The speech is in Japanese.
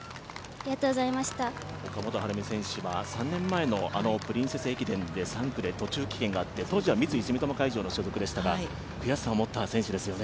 岡本春美選手は３年前のプリンセス駅伝の３区で途中棄権があって、当時は三井住友海上所属の選手でしたが、悔しさを持った選手ですよね。